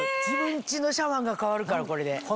自分家のシャワーが変わるからこれで。